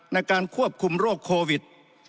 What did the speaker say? ในการควบคุมโรคโควิด